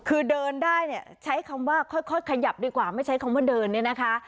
คือเดินได้เนี่ยใช้คำว่าค่อยขยับดีกว่าไม่ใช้คำว่าเดินเนี่ยนะคะ